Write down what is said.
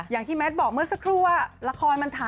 ยังไงคะ